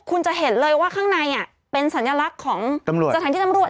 คุณจะเห็นเลยว่าข้างในเป็นสัญลักษณ์ของตำรวจสถานที่ตำรวจ